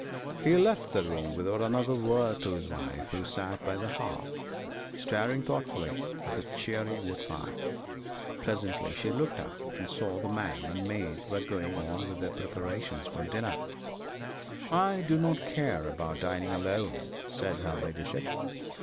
He left the room without another word to his wife, who sat by the hearth staring thoughtfully at the cheery wood fire. Presently she looked up, and saw that the man and maid were going on with their preparations for dinner. 'I do not care about dining alone,' said her ladyship.